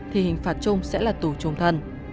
thì hình phạt chung sẽ là tù trung thân